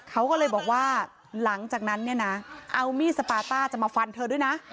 เขาก็เลยบอกว่าหลังจากนั้นเนี่ยนะเอามีดสปาต้าจะมาฟันเธอด้วยนะ